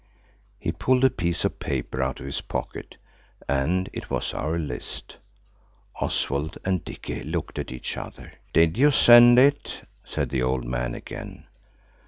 He pulled a piece of paper out of his pocket, and it was our list. Oswald and Dicky looked at each other. "Did you send it?" said the old man again.